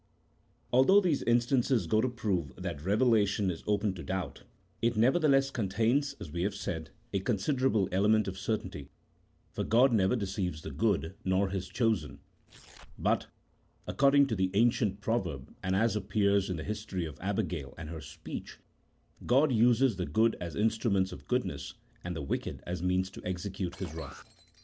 Although these instances go to prove that revelation is open to doubt, it nevertheless contains, as we have said, a considerable element of certainty, for God never deceives the good, nor His chosen, but (according to the ancient proverb, and as appears in the history of Abigail and her speech), God uses the good as instruments of goodness, and the wicked as means to execute His wrath.